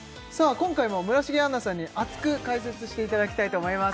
今回も村重杏奈さんに熱く解説していただきたいと思います